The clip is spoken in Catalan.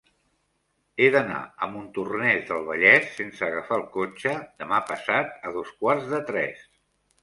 He d'anar a Montornès del Vallès sense agafar el cotxe demà passat a dos quarts de tres.